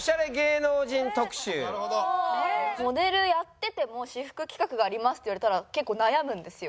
モデルやってても「私服企画があります」って言われたら結構悩むんですよ。